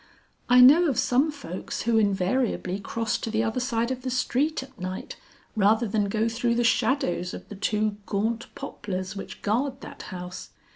"I know of some folks who invariably cross to the other side of the street at night, rather than go through the shadows of the two gaunt poplars which guard that house.